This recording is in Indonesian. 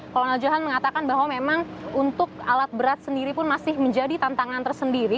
kolonel johan mengatakan bahwa memang untuk alat berat sendiri pun masih menjadi tantangan tersendiri